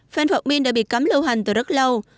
phenphortmin đã bị cấm lưu hành từ rất lâu